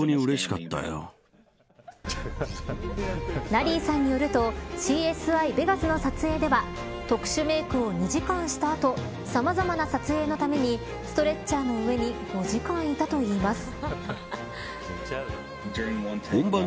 ナリーさんによるとＣＳＩ：ベガスの撮影では特殊メークを２時間した後さまざまな撮影のためにストレッチャーの上に５時間いたといいます。